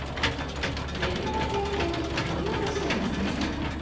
全問正解で気をよくした野添さん。